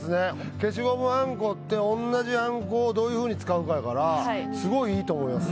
消しゴムはんこっておんなじはんこをどういうふうに使うかやからすごいいいと思います。